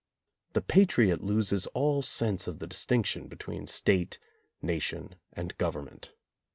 The patriot loses all sense of the distinction be tween State, nation and government.